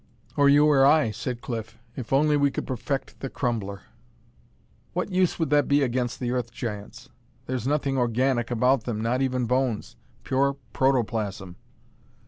"Or you or I," said Cliff. "If only we could perfect the Crumbler!" "What use would that be against the Earth Giants? There's nothing organic about them, not even bones. Pure protoplasm!"